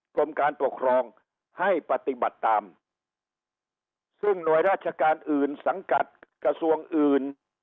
กรมการปกครองให้ปฏิบัติตามซึ่งหน่วยราชการอื่นสังกัดกระทรวงอื่น